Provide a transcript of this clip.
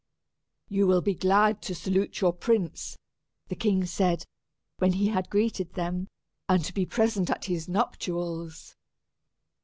"You will be glad to salute your prince," the king said, when he had greeted them, "and to be present at his nuptials."